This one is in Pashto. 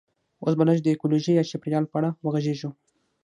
اوس به لږ د ایکولوژي یا چاپیریال په اړه وغږیږو